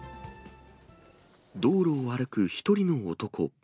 道路を歩く１人の男。